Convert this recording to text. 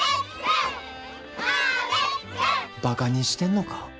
ばかにしてんのか？